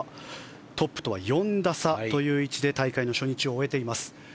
トップとは４打差という位置で大会初日を終えています。